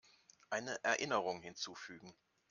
Eine Erinnerung hinzufügen.